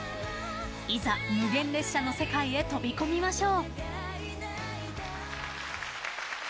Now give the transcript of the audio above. いざ、無限列車の世界へ飛び込みましょう。